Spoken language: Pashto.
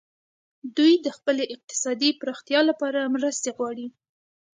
دوی د خپلې اقتصادي پراختیا لپاره مرستې غواړي